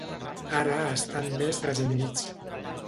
Ara estan més desinhibits.